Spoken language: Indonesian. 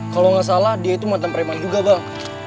kalau nggak salah dia itu mantan preman juga bang